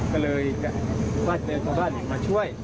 ก็เลยว่าจะไปส่งบ้านมาช่วย